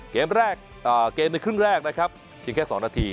เกมแรกเกมในครึ่งแรกนะครับเพียงแค่๒นาที